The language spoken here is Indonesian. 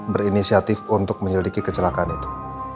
berinisiatif untuk menyelidiki kecelakaan itu